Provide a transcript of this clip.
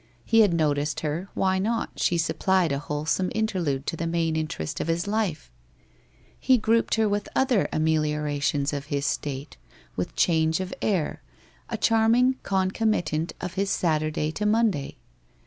He had noticed her, why not, she supplied a wholesome interlude to the main interest of his life ? He grouped her with other ameliorations of his state, with change of air, a charming concomitant of his Satur day to Monday.